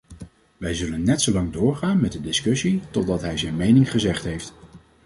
Wij zullen net zolang doorgaan met de discussie totdat hij zijn mening gezegd heeft.